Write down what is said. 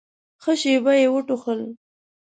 ښه شېبه يې وټوخل.